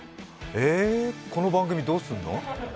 えっ、この番組どうすんの？